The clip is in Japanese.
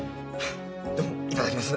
どうも頂きます。